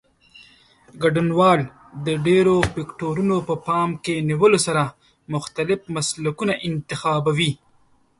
ګډونوال د ډېرو فکټورونو په پام کې نیولو سره مختلف مسلکونه انتخابوي.